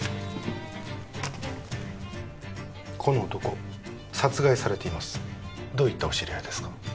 この男殺害されていますどういったお知り合いですか？